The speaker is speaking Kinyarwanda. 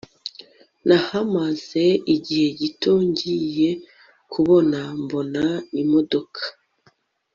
nahamaze igihe gito ngiye kubona mbona imodoka